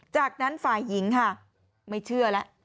จากนั้นฝ่ายหญิงค่ะไม่เชื่อแล้ว